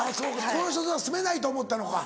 この人とは住めないと思ったのか。